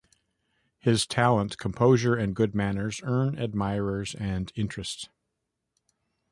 His talent, composure, and good manners earn admirers and interest.